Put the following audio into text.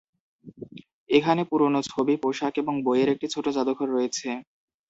এখানে পুরনো ছবি, পোশাক এবং বইয়ের একটি ছোট জাদুঘর রয়েছে।